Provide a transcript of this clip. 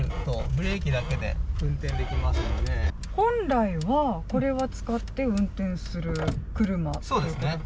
本来はこれは使って運転する車？